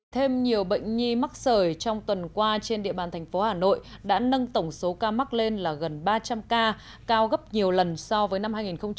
thêm nhiều bệnh nhi mắc sởi trong tuần qua trên địa bàn thành phố hà nội đã nâng tổng số ca mắc lên là gần ba trăm linh ca cao gấp nhiều lần so với năm hai nghìn một mươi tám